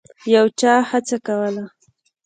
یو چا هڅه کوله.